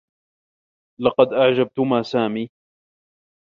لقد أعجبتما سامي.